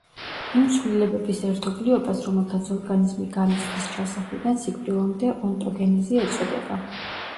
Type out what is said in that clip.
იმ ცვლილებების ერთობლიობას, რომელთაც ორგანიზმი განიცდის ჩასახვიდან სიკვდილამდე, ონტოგენეზი ეწოდება.